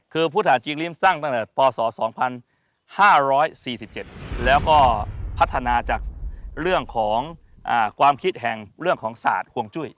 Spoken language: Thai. คือพุทธหาจริงริมสร้างตั้งแต่พศ๒๕๔๗แล้วก็พัฒนาจากเรื่องของความคิดแห่งเรื่องของศาสตร์ห่วงจุ้ย